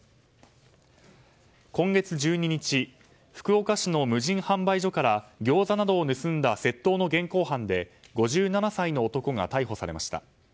今月１２日福岡市の無人販売所からギョーザなどを盗んだ窃盗の現行犯で５７歳の男が逮捕されました。